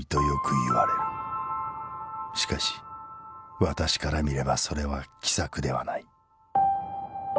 しかし私から見ればそれは奇策ではない。